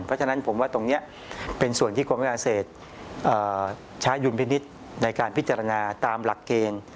เพราะฉะนั้นผมว่าตรงนี้เป็นส่วนที่กรมวิทยาเศษใช้ดุลพินิษฐ์ในการพิจารณาตามหลักเกณฑ์